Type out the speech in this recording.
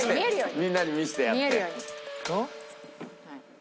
みんなに見せてやってよ。